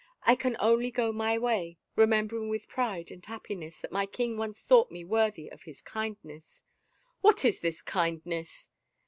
I can only go my way — remembering, with pride and happiness, that my king once thought me worthy of his kindness —" "What is this kindness?"